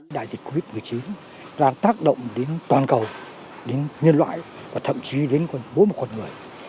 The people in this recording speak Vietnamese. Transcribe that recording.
đại dịch covid một mươi chín đang tác động đến toàn cầu đến nhân loại và thậm chí đến với một con người